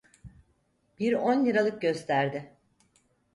Bir on liralık gösterdi.